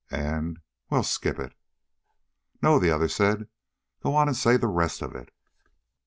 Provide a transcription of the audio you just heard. And well, skip it." "No," the other said. "Go on and say the rest of it."